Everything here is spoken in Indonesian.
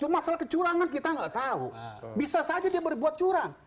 masalah kecurangan kita nggak tahu bisa saja dia berbuat curang